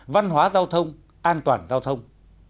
văn hóa giao thông an toàn giao thông